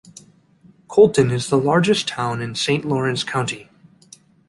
Colton is the largest town in Saint Lawrence County.